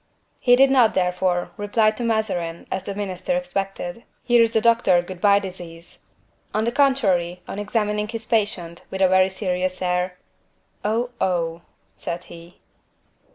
He did not, therefore, reply to Mazarin as the minister expected: "Here is the doctor; good bye disease!" On the contrary, on examining his patient, with a very serious air: "Oh! oh!" said he.